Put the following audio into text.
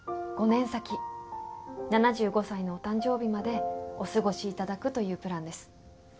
５年先７５歳のお誕生日までお過ごしいただくというプランです。